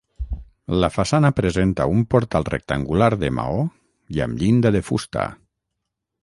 La façana presenta un portal rectangular de maó i amb llinda de fusta.